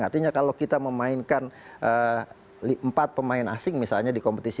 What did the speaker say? yang artinya kalau kita memainkan empat pemain asing misalnya dikompetisi